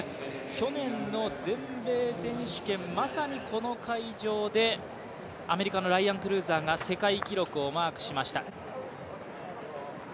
去年の全米選手権まさにこの会場でアメリカのライアン・クルーザーが世界記録をマークしました。